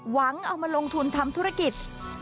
หวังเอามาลงทุนทำธุรกิจ